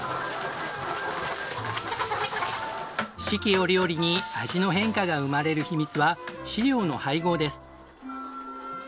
四季折々に味の変化が生まれる秘密は飼料の配合です。